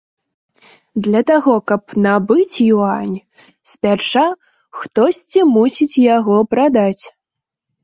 Для таго каб набыць юань, спярша хтосьці мусіць яго прадаць.